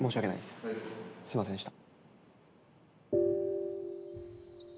すいませんでした。